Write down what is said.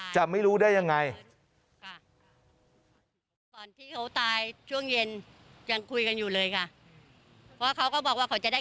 จะไม่รู้ได้ยังไง